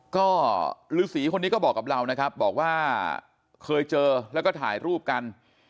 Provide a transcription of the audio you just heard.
ก็ฤษีคนนี้ก็บอกกับเรานะครับบอกว่าเคยเจอแล้วก็ถ่ายรูปกัน